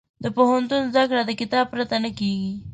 د پوهنتون زده کړه د کتاب پرته نه کېږي.